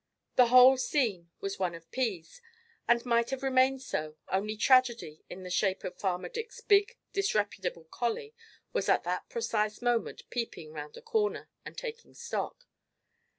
The whole scene was one "of peas," and might have remained so, only tragedy, in the shape of farmer Dick's big, disreputable collie, was at that precise moment peeping round a corner and taking stock.